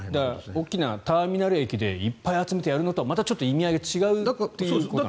大きなターミナル駅でいっぱい集めてやるのとはまたちょっと意味合いが違うということなんですね。